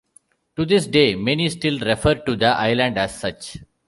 To this day, many still refer to the island as such.